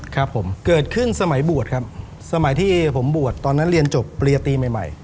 ครับผมเกิดขึ้นสมัยบวชครับสมัยที่ผมบวชตอนนั้นเรียนจบปริยตีใหม่ใหม่